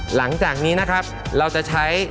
หลังจากนี้นะครับเราจะใช้